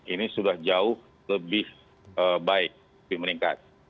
ini sudah jauh lebih baik lebih meningkat